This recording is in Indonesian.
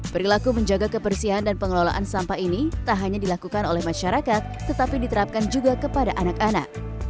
perilaku menjaga kebersihan dan pengelolaan sampah ini tak hanya dilakukan oleh masyarakat tetapi diterapkan juga kepada anak anak